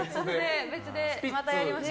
別でまたやりましょう。